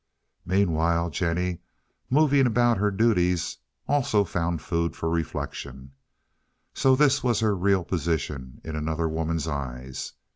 Meanwhile Jennie, moving about her duties, also found food for reflection. So this was her real position in another woman's eyes.